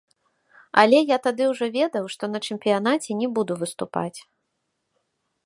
Але я тады ўжо ведаў, што на чэмпіянаце не буду выступаць.